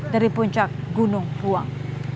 dari puncak gunung puang